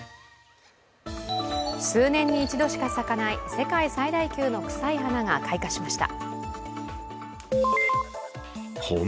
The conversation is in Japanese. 数年に一度しか咲かない世界最大級の臭い花が開花しました。